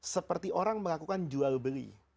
seperti orang melakukan jual beli